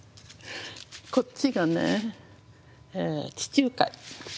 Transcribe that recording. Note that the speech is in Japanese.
こっちがね地中海。